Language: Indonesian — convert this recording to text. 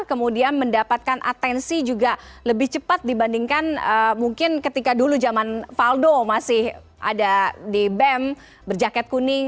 kemudian mendapatkan atensi juga lebih cepat dibandingkan mungkin ketika dulu zaman faldo masih ada di bem berjaket kuning